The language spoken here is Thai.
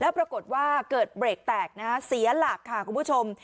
ปรากฏว่าเกิดเบรกแตกนะฮะเสียหลักค่ะคุณผู้ชม